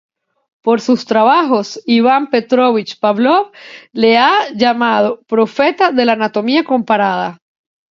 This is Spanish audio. Por sus trabajos, Iván Petróvich Pávlov le ha llamado "profeta de la anatomía comparada".